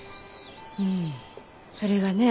うんそれがねえ。